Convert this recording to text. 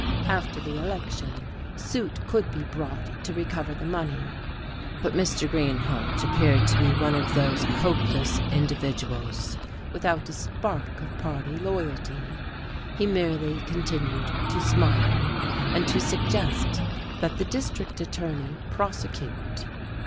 After the election, suit could be brought to recover the money. But Mr. Greenhalge appeared to be one of those hopeless individuals without a spark of party loyalty; he merely continued to smile, and to suggest that the district attorney prosecute.